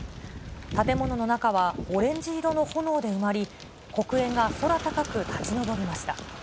建物の中はオレンジ色の炎で埋まり、黒煙が空高く立ち上りました。